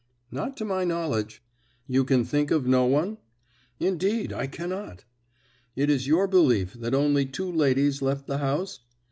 "Not to my knowledge." "You can think of no one?" "Indeed, I cannot." "It is your belief that only two ladies left the house?'